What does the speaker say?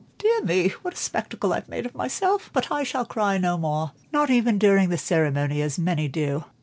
Dear me, what a spectacle I've made of myself! But I shall cry no more, not even during the ceremony as many do.